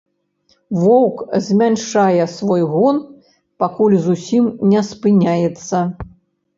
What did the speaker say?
Воўк змяншае свой гон, пакуль зусім не спыняецца.